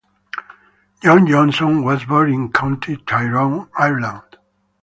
John Johnson was born in County Tyrone, Ireland.